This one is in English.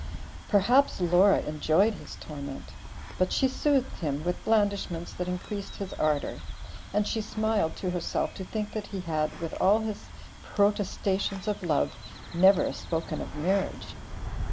Perhaps Laura enjoyed his torment, but she soothed him with blandishments that increased his ardor, and she smiled to herself to think that he had, with all his protestations of love, never spoken of marriage.